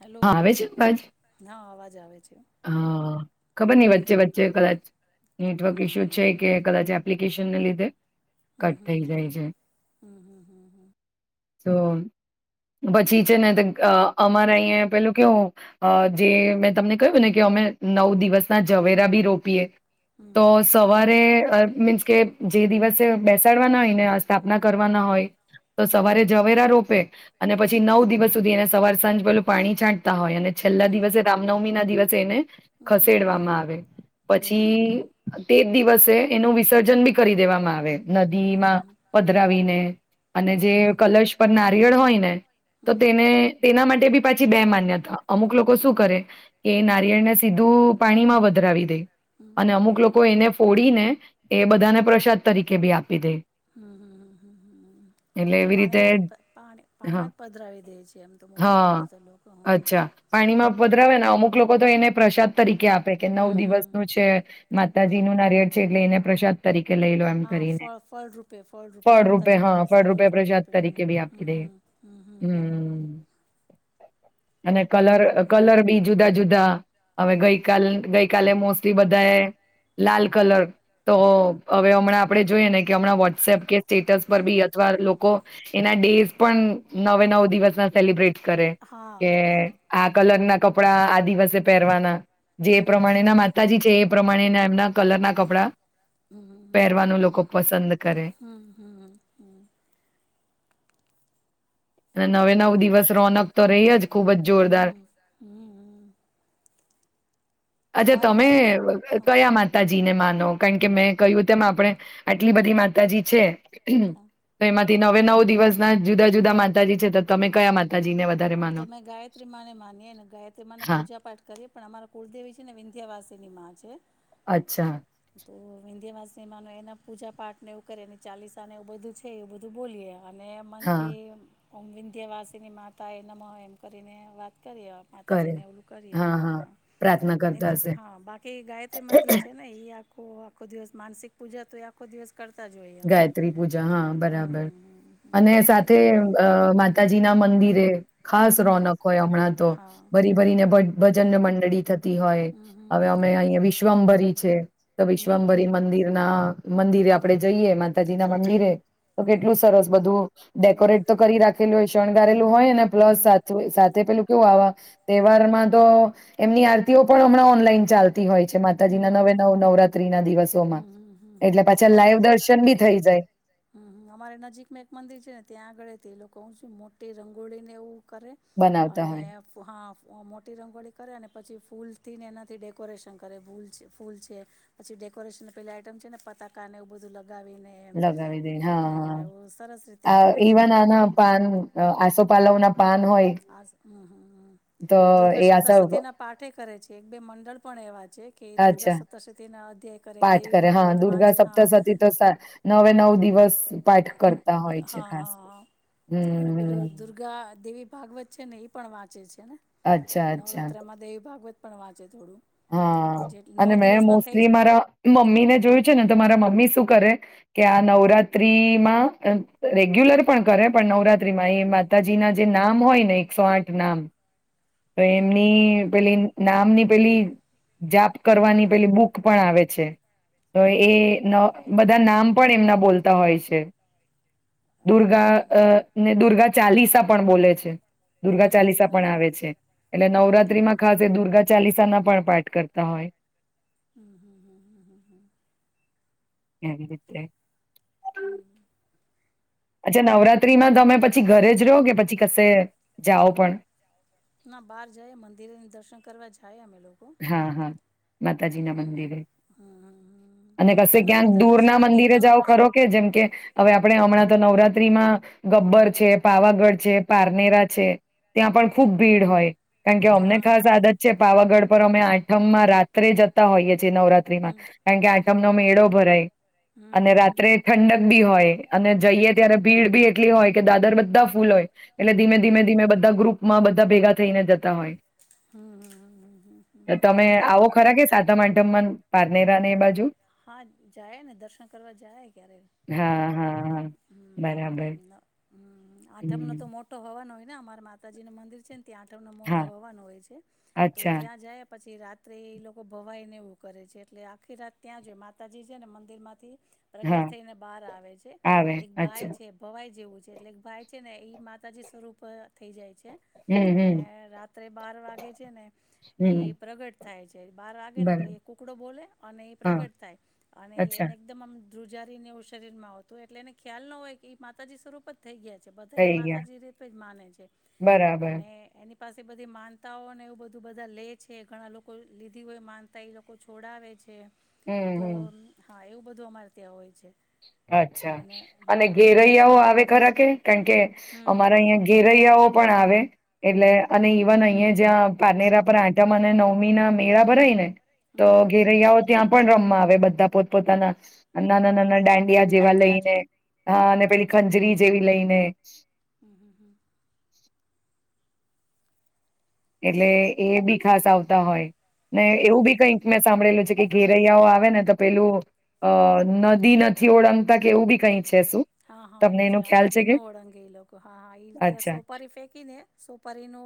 Hello આવે છે અવાજ? હા અવાજ આવે છે હઅ ખબર નઈ વચ્ચે વચ્ચે કદાચ નેટવર્ક ઇસ્યુ હમ છે કે કદાચ એપ્લી કેશનને લીધે કટ થઈ જાય હં, છે હં, હં, હં. તો પછી છે ને તે અ અમારે અઈયે પેલું કેવું અ જે મેં તમને કહ્યું ને કે અમે નવ દિવસના જવેરા બી રોપીએ તો હમ સવારે અ મીન્સ કે જે દિવસે બેસાડવાના હોય ને અ સ્થાપના કરવાના હોય તો હમ સવારે જવેરા રો તે... અને પછી નવ દિવસ સુધી એને સવાર સાંજ ભલે... પાણી છાંટતા હોય અને... છેલ્લા દિવસે રામનવમી ના દિવ શેને. ખસેડવામાં આવે હમ હમ પછી તે... દિવસે એનું વિસર્જન બી કરી દેવામાં આવે. હમ નદીમાં પધરાવીને અને હમ જે કલશ પર ના... નારિયળ હોય ને... તો તેને... તેના માટે બી... પછી બે માન્યતા... અમુક લોકો શું કરે... એ નારિયળને સીધું પાણીમાં વધરાવી દે. અને અમુક લોકો એને ફોડીને... એ બધાને પ્રસાદ તરીકે બી આપી દે. હમ, એટલે આમ તો એવી રીતે પાણીમાં હા પાણીમાં જ પધરાવી દે છે આમ તો મોટા હા ભાગે તો. લોકો હ હમ હમ અચ્છા, પાણીમાં હમ પધરાવે નુ અમુક લોકો તો એને પ્રસાદ તરીકે આપે કે નવ દિવસ હમ નું છે, માતાજી હા નું નારિયેળ છે એટલે એને પ્રશાદ તરીક હા ફળ ફળ રૂપે ફળ રૂપે ફળરૂપે માતાજીના હા પ્રસાદ એ ફળરૂપે ફળ પ્રસાદ રૂપે, હમ તરીકે બી આપી હમ દે હમ હમ હમ હમ હમ. અને કલર કલર બી જુદા જુદા, હવે ગઈકાલ ગઈકાલે મોસ્ટલી બધાએ લાલ કલર તો હવે હમણાં આપડે જોઈએ ને કે હમણાં વોટ્સએપ કે સ્ટેટસ પર બી અથવા લોકો એના ડેઝ પણ... નવે નવ દિવસ ના સેલિબ્રેટ કરે. હા કે હા આ કલર... ના કપડા આ દિવસે પહેરવાના... જે પ્રમાણેના માતાજી છે એ... પ્રમાણેના એમના કલર ના કપડા... હમ હમ કરે હમ હમ હમ. અને નવે નવ દિવસ રોનક... તો રેય જ. ખૂબ જ જોરદાર હમ હમ હમ. અચ્છા, તમારે તમે ઘરે ત્યાં હા કયા માતાજી... ને માનો કારણ કે મેં કહ્યું તેમ આપણે આટલી બધી માતાજી છે. હ હા તો એમજ... તે નવે નવ દિવસના જુદા જુદા માતાજી છે. તો તમે કયા માતાજીને? વધારે આમ તો માનો અમે ગાયત્રી માને માનીએ ને ગાયત્રી માંને હા પૂજા પાઠ કરીએ પણ અમારા કુલદેવી છે ને વિંધ્યાવાસી ની માં છે. અચ્છા. તો વિંધ્યાવાસી મા એના પૂજા પાઠ ને એવું કરીએ ને ચાલીસા ને એવું બધું છે એવું બધું બોલીએ. અને હા મનથી એમ ઓમ વિંધ્યવાસીની માતાએ નમો એમ કરીને વાત કરીયે માતાજી કરે ને એવું કરીએ, હા હા પ્રાર્થના કરતા નહિતર હશે હા, બાકી ગાયત્રી મંત્ર છે ને ઈ આ આ આખો દિવસ માનસિક પૂજા તો આખો દિવસ કરતા જ હોઈએ અમે ગાયત્રી પૂજા હા, હમ બરાબર, હમ હમ હમ અને સાથે અ મ તાજી ના મંદિરે ખાસ હા રોનક હોય હમણાં તો. હા ભરી ભરીને હમ ભજનને મંડ રેડી થત તિ હોય. હમ હવે અમે અહંયા વિશ વ્મભરી છે. તો હમ વિશ્વમભરી હમ મંદિર ના મંદિરે આપરે જઈએ માતાજી ના હમ મંદિરે તો કેટલું હમ સરસ બધું હમ ડેકોરેટ તો કરી રાખેલું હોય. સંગાળેલ હોયને પ્લસ હમ સતવે સાથે પેલું તો આવા તહેવારમાં તો એમની આરતીઓ પણ હમણાં ઓનલાઈન ચાલ તી હોય છે હમ હમ માતાજીના નવે હમ નવ નવરાત્રીના દિવસ. [unintelligible] એટલે પાછા લાઈવ દર હમ્મ અમારે નજીકમાં એક મંદિર છે ને ત્યાં આગળ તે લોક કોવ સુ મોટી રંગોળીને એવું. કરે બનાવતા અને હોય હા ફ મોટી રંગોળી કરેને પછી ફૂલથી ને એનાથી ડેકોરેશન કરે [unintelligible] ફૂલ છે પછી કોરેશન પેલા આઈટમ છેને પતાકા ને એવું બઘું લ લગાવી દે હા, એવું સરસ રીતે આ કરે છે ઈવન એ લોકો આના પાન આસોપલાવના આ તો હા, દુર્ગા એ આસ સપ્તાસતીના પાઠ એ કરે છે. એક બે મંડળ પણ એવાજ. અચ્છા, પાઠ દેવી કરે હા ભાગવત દુર્ગા વાંચે હા સપ્તાસતી તો સ નવે નવ દિવસ પાઠ કર. હા, હા, હા અને હમ પેલું દુર્ગા દેવી ભાગવત છે ને એ પણ વાંચે છે. અચ્છા અચ્છા નવરાત્રામાં દેવી ભાગવત પણ વાત હા, અને મેં દિવસમાં થઈ જ મોસ્ટલી મારા મમ્મી ને જોયું છે ને તો મારા મમ્મી શું કરે કે આ નવરાત્રી માં રેગ્યુલર પણ કરે પણ નવરાત્રીમાં એ માતાજીના જે નામ હોય ને એકસો આઠ નામ તો એમની પેલી નામની પેલી જાપ કરવાની પેલી બુક પણ આવે છે તો એ ન બધા નામ પણ એમના બોલતા હોય છે. દુર્ગા અ ને દુર્ગા ચાલીસા પણ બોલે છે. દુર્ગા ચાલીસા પણ આવે છે. એટલે નવરાત્રીમાં ખાસ એ દુર્ગા ચાલીસાના પણ પાઠ કરતા હોય. હમ, હમ, હમ, હમ, હમ હ. [unintelligible] [inaudible] અચ્છા નવરાત્રીમાં તમે પછી ઘરે જ રહો કે પછી કશે જાઓ પણ ના બહાર જાય મંદિરેને દર્શન કરવા જાય અમે લોકો હા હા માતાજી હમ ના હમ હમ મંદિરે હમ હમ અને કશે મોટા ક્યાંક નવરાત્ર ને દૂર ના શારદીય મંદિરે નવ જાઓ ખરો કે જેમ કે હવે આપણે હમણાં તો નવરાત્રીમાં ગબ્બર છે પાવાગઢ છે પારનેરા છે ત્યાં પણ ખુબ ભીડ હોય. કારણ કે અમને ત્યાં હા ખાસ હા આદત છે પાવાગઢ અમે આઠમમાં રાત્રે જતા હોઈએ નવરાત્રીમાં હમ કારણ કે હમ હમ આઠમનો મેળો ભરાય હમ હમ અને હમ હમ રાત્રે ઠંડક બી હોય. અને જઈએ ત્યારે ભીડ બી એટલી હોય. કે દાદર બધા ફૂલ હોય. એટલે ધીમે હમ હમ ધીમે હમ ધીમે બધા હમ ગ્રુપમાં બધા ભેગા થઈને જતા હોય. હમ, હમ, હમ, હમ, હમ. તો તમે એટલે આવો ખરા કે સાતમ આઠમમાં પારનેરા ને એ બાજુ હા જાય ને દર્શન કરવા જાય ક્યારે હા હા હ હમ બરાબર. હમ આઠમનો હમ તો મોટો હવન હોય. અમાર માતાજી નું મંદિર છે. ત્યાં આઠમનો મોટો હા હવન હોય. તો અચ્છા ત્યાં જે પછી રાત્રે એ લોકો ભવાઈને એવું કરે છે એટલે આખી રાત ત્યાં જોઈ માતાજી છે ને મંદિર માંથી પ્રગટ હા થઈને બહાર આવે છે આવે એક ભાઈ અચ્છા છે ભવાઈ જેવું એટલે ભાઈ છે ને એ માતાજી સ્વરૂપ થઈ જાય છે. કે, હમ હમ અને રાત બાર વા ગે છે ને હમ એ પ્રગટ થાય છે બાર વાગે ને એટલે બરાબર એ કુકડો બોલે અને એ હા પ્રગટ થાય, અને અચ્છા એને એકદમ આમ ધ્રુવજારીને એવું શરીરમાં આવતું એટલે એને ખ્યાલ ન હોય કે એ માતાજી સ્વરૂપ જ થઈ ગયા છે. બધાને થઈ ગયા માતાજી રીતે જ માને છે, બરાબર અને એની પાસે બધી માન તાઓને એવું બધું બધા લે છે ઘણા લોકો લીધી હોય માનતા એ લોકો છોડાવે છે. હમ તો હમ હા એવું બધું અમારે ત્યાં હોય છે. અચ્છા, અને અને હમ ઘેરૈયાઓ આવે ખરા કે? કારણ કે હમ અમારા હમ અહં હમ ઘેરૈયાઓ પણ આવે. એટલે હમ અને ઇવન અહીંયા જ્યાં પાનેરા પર આટમ અને નવમી ના મેળા ભરાય ને. હમ હમ હમ તો હમ હમ ઘેરૈયાઓ ત્યાં પણ રમવા આવે બધા. પોતપ પોતાના. ના ના હમ ના હમ ડાન્ ડિયા જેવા લઈને હા અને પેલી હમ હમ ખંજરી જેવી લઈને. [unintelligible] હમ હમ હમ. [inaudible] એટલે એ બી ખાસ આવતા હોય. ને હમ હમ એવું બી હમ કઈક મેં સાંભળેલું છે કે ઘેરૈયાઓ આવે ને તો પેલું અ નદી નથી ઓળંગતા કેવું બી કઈ છે શું? હા હા તમને એવું છે એનો ખ્યાલ નદી ન કે? ઓળંગે એ લોકો હા હા એ ત્યાં અચ્છા સોપારી ફેંકી ને સોપારી ન ઓ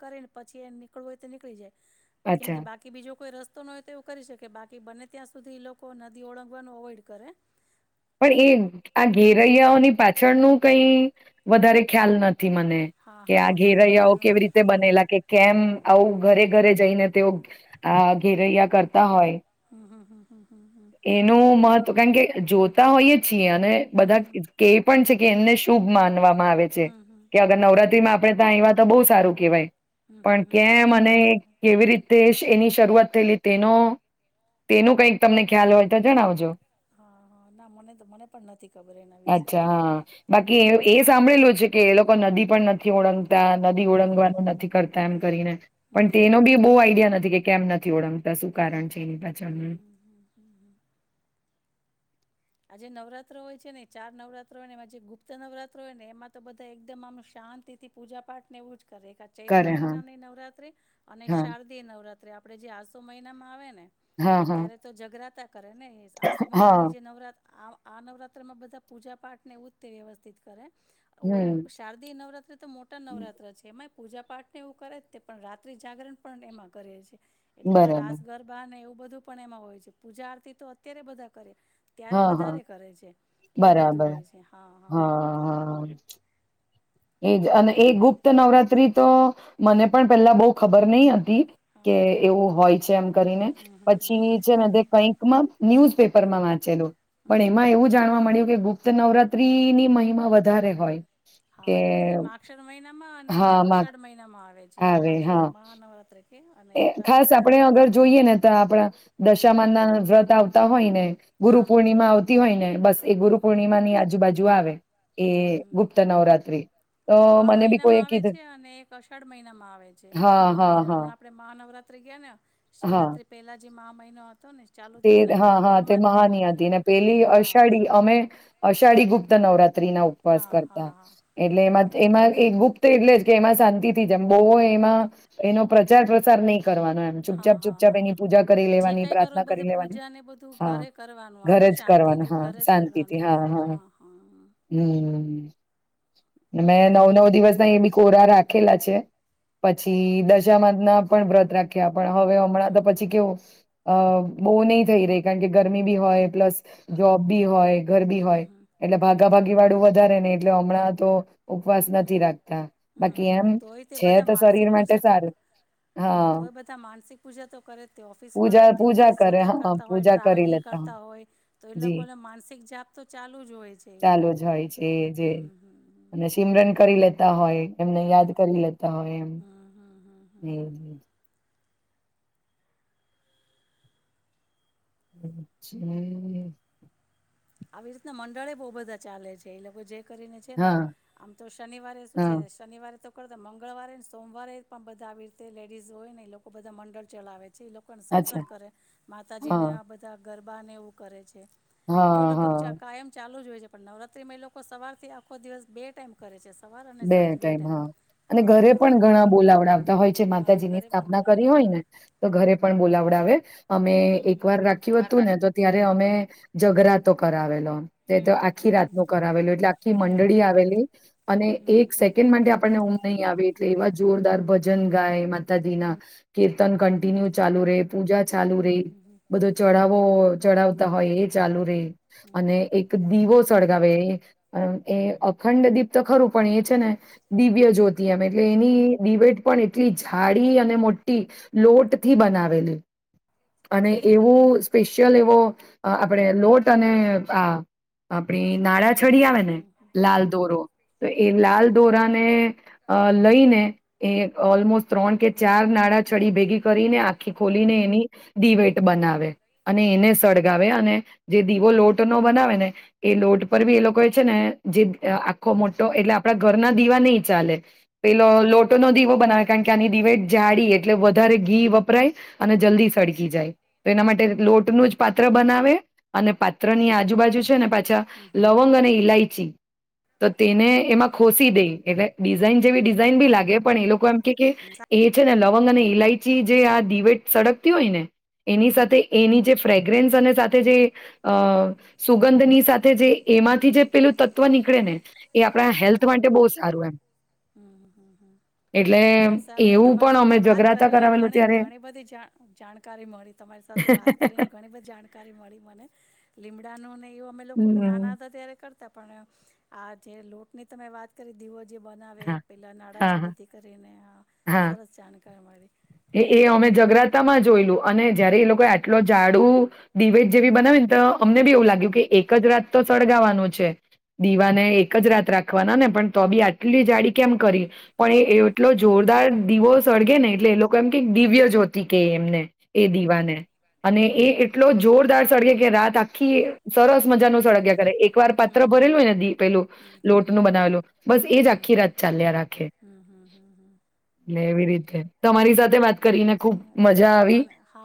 કરે પછ એ નીકળવ હોય તો નીળી જાય કેમ કે અચ્છા બાકી બીજો કોઈ રસ્તો હોય તો એવું કરી શકે બાકી બને ત્યાં સુધી એ લોકો નદી ઓળંગવાનું અવોઈડ કરે. પણ એ આ ઘેરૈયાઓની પાછળનું કઈ વધારે ખ્યાલ નથી મને, હા કે આ હા મને પણ ઘેરૈયાઓ એનો કેવી રીતે બનેલા કે કેમ આવું ઘરે ઘરે જઈને તેઓ આ ઘેરૈયા કરતા હોય. હમ હમ હમ હમ હમ એનું મહત્વ કારણ કે જો હોય છીએ અને બધા હમ હમ કે પણ છે કે એમને શુભ માનવા. મા આવે છે હમ હમ હમ કે અગર હમ નવરાત્રી માં આપણે ત્યાં આયવા તો બહુ સારું કેવાય. હમ હમ પણ હમ કે હા મને હા કેવી રીતે એની શરૂઆત થયેલી તેનો તેનું કઈક તમને ખ્યાલ હોય તો જણાવજો. હા હા ના મને તો મને પણ નથી ખબર એના વિશે અચ્છા બહુ હા બાકી હમ હમ એ સાંભળેલું છે કે એ લોકો નદી પણ નથી ઓળંગતા નદી હમ હમ ઓળંગવાનું નથી કરતા એમ હમ કરીને હમ પણ હમ તેનો હમ બી બહુ આઈડિયા નથી કે કેમ નથી ઓળંગતા શું કારણ હમ છે એની હમ પાછળનું. હમ હમ આજે નવરાત્ર હોય છે ને ચાર નવરાત્રો હોય એ જે ગુપ્ત નવરાત્ર હોય ને એમાં તો બધા એકદમ આમ શાંતિ થી પૂજા પાઠ નેવું કરે ચૈત્ર કરે હા મહિનાની નવરાત્રી અને હા શારદીય નવરાત્રી આપડે જે આસો મહિનામાં આવે ને હા હા ત્યારે તો જગરાતા કરે ને એ આસો હા મહિનાની જે નવરાત્ર આ નવરાત્રમાં બધા પૂજા પાઠ ને એવું જ તે વ્યવસ્થિત કરે. ઓ હમ શારદીય નવરાત્રી તો મોટા નવરાત્ર છે એમાં પૂજા પાઠ ને એવું કરે તે પણ રાત્રિ જાગરણ પણ એમાં કરેએ છેએ. એટલેમાં બરાબર રાજસ ગરબા ને એવું બધું પણ એમાં હોય છે પૂજા આરતી તો અત્યારે બધા કરે ત્યારે હા હા વધારે કરે છે એવું બધું બરાબર હોય છે હા હા. એજ અને એ ગુપ્ત નવરાત્રી તો મને પણ પેલા બહુ ખબર નહ હ તી હા કે એવું હોય. છે એમ કરીને હમ હમ હમ પછી હમ છેને તે કઈક ન્યૂઝપેપરમાં વાંચેલું પણ હમ હમ એમાં એવું જાણવા મળ્યું કે ગુપ્ત નવરાત્રીની મહિમા વધારે હોય. હા કે એટલે માક્ષર મહિનામાં અને હા માં અષાઢ મહિનામાં આવે છે. છે માક્ષર મહા નવરાત્રે એ ખાસ આપડે અગર જોઈએ ને તો આપણા દશામાન ના વ્રત આવતા હોય ને ગુરુ હા પૂર્ણિમા આવતી હોય ને બસ એ ગુરુ પૂર્ણિમાની આજુબાજુ [unintelligible] આ આવે. એ ગુપ્ત હમ્મ નવરાત્રી તો આ મને બી કોઈએ મહિનામાં આવે કીધું છે અને એક અષાઢ મહિનામાં આવે છે એક હા હા મહિના હા હમણાં આપડ મહાનવરાત્રિ ગિયા ને હા શિવરાત્રી પહેલા જે માહા મહિનો હતો ને ચાલુ તે થયો ને હા હા તે એમાં જ મહાની હતી એ ને પેલી હા અષાઢી અમે અષાઢી ગુપ્ત નવરાત્ર [unintelligible] ના ઉપવાસ હા હા કરતા હા એટલે હા એમાં હા એમાં ગુપ્ત એટલે જ કે એમાં શાંતિ થી જમવું બો એમાં એનો પ્રચાર પ્રસાર નહી. કરવામ હા ચૂપચાપ હા ચૂપચાપ હા એની હા પૂજા કરી જે લેવાની કઈ પ્રાથ કરો ના એ કરી બધું લેવાની પૂજા ને બધું ઘરે કરવાનું આપણે ઘરે જ કરવાનું શાંતિથી હા ઘરે જ શાંતિથી કરવાનું હા હા હા હમ મેં નવ દાગ્યા નવ દિવસ ના એ બી કોરા રાખ રાખેલા છે, પછી દશામાદ ના પણ વ્રત રાખીએ આ પણ હવે હમણાં તો હમ પછી કેવું? અ હમ બહુ નહી થઈ રહી કારણ કે ગરમી બી હોય પ્લસ હા જોબ બી હોય, ઘર બી હમ હોય હમ એટલે હમ ભાગા હમ ભાગી વાળું વધારે ને એટલે હમણાં તો ઉપવાસ નથી રાખતા બાકી હ એમ તોય તે છે બધા તો માનસિક શરીર માટે પૂજા તો સારું હું હા તોય બધા માનસિક પૂજા તો કરે તે ઓફિસ વાળા પૂજા એ તે પૂજા ઓફિસ કરે જતાં હા કરતાં હોય પૂજા કરી ટ્રાવેલિંગ લેતા કરતા હોય તો એ જી લોકોને માનસિક જાપ તો ચાલુ જ હોય છે એ ચાલુ લોકો જ હ હ મરન કરી લેતા હોય એમને યાદ કરી લેતા હોય એમ હમ હમ હમ હમ હમ [unintelligible] [unintelligible] આવી રીતના મંડળે બહુ બધા ચાલે છે. એ લોકો જે કરીને છે ને હા આમ તો શનિવારે શું છે હા શનિવારે તો કરતા મંગળવારે ને સોમવારે પણ બધા આવી રીતે લેડીઝ હોય ને એ લોકો બધા મંડળ ચલાવે. પછી એ લોકોને અચ્છા સત્સંગ કરે, માતાજીને હા આ બધા ગરબાને એવું કરે છે. એ તો હા લગભગ હા ચા કાયમ ચાલુ જ હોય. પણ નવરાત્રી માં એ લોકો સવારથી આખો દિવસ બે ટાઈમ કરે છે. સવાર અને બે સાંજ ટાઈમ હા. અને હા ઘરે હા પણ ઘણા બોલાવડાવતા હોય છે હા માતાજીની ઘરે પણ સ્થાપના કરી બોલાવડાવે હોય ને તો ઘરે પણ હમ બોલાવડાવે. અમે હમ એક હમ વાર હમ હમ રાખ્યું હતું ને તો ત્યારે અમે જઘરાતો કરાવેલો. તે તો આખી રાતનું કરાવેલું. એટલે આખી મંડળી આવેલી અને એક સેકન્ડ માટે આપણને ઊંઘ નહીં આવે. એટલે એવા જોરદાર ભજન ગાય માતાદીના કીર્તન કન્ટિન્યુ ચાલુ રે, પૂજા ચાલુ રે, બધો ચડાવો ચડાવતા હોય એ ચાલુ રે અને એક દીવો સળગાવે એ અ ખંડદીપ તો ખરું. પણ એ છે ને દિવ્ય જ્યોતિ આમ એટલે એની દિવેટ પણ એટલી જાડી અને મોટી લોટ થી બનાવેલી. અને એવો સ્પેશિયલ એવો અ આપણે લોટ અને આ આ આપણી નાળાછડી આવે ને લાલ દોરો. તો એ લાલ દોરાને લઈને એ ઓલમોસ્ટ ત્રણ કે ચાર નાળાછડી ભેગી કરીને આખી ખોલીને એની દિવેટ બનાવે. અને એને સળગાવે અને જે દીવો લોટ નો બનાવે ને એ લોટ પર બી એ લોકો એ છે ને જે આખો મોટ એટલે આપણા ઘરના દીવા નહી ચાલે. પેલો લોટ નો દીવો બનાવે કારણ કે આની દીવેટ જાડિ. એટલે વધારે ઘી વપરાય અને જલ્દી સળગી જાય. તો એના માટે લોટનું જ પાત્ર બનાવે અને પાત્ર ની આજુબાજુ છે ને પાછા લવંગ અને ઈલાયચી ત તેને એમાં ખોસી દઈ. એટલે ડિઝાઇન જેવી ડિઝાઇન બી લાગે પણ એ લોકો એમ એ છે ને લવંગ અને ઈલાયચી જે આ દિવેટ સડગતી હોય ને એની સાથે એની જે ફ્રેગ્રેન્સ અને સાથે જે અ સુગંધની સાથે જે એમાંથી જે પેલું તત્વ નીકળે ને? એ આપણા હેલ્થ માટે બહુ સારું એમ હમમ એટલે તમારી સાથે એવું તમારી પણ સાથે અમે વાત જગરાતા કરીને કરાવેલું ઘણી ત્યારે ઘણી બધી જાણકારી મળી તમારી સાથે વાત કરીને ઘણી બધી જાણકારી મળી મને લી. [inaudible] એવ અમે લોકો નાના હમ હતા ત્યારે પણ આ જે લોટ ની તમે વાત કરી દીવ જે બનાવે હા પહેલાં નાળં હા હા છડીથી કરીને આ હા સરસ જાણકાર મળે. એ અમે જગરાતા માં જોયલું. અને જયારે એ લોકો આટલો જ જાઝાડું દીવેટ જ જેવી બનાવી ને તો અમને બી એવું લાગ્યું કે એક જ રાત તો સળગાવાનું છે દીવાને એક જ રાત રાખવાના ને પણ તો બી આટલી જાડી કેમ કરી. પણ એ એટલો જોર. દાર દીવો સળગે ને એટલે એ લોકો મ કે દિવ્ય જોતી કે એમને એ દીવાને. અને એ હમ એટલો જોરદાર સળગે કે રાત આખી સરસ મજા ન સડગે ગ. એક વાર હમ પાત્ર હમ ભરેલું હોય પેલું હમ હમ લોટ ન બનાવેલું હમ બસ એજ આખી હમ હમ રાત ચાલ્યા રાખે હમ હમ હમ હમ. એટલે એવી રીતે. [unintelligible] વાત કરીને ખુબ મજા આવી. મને હા